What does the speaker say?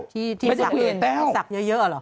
ที่สักอื่นสักเยอะหรอ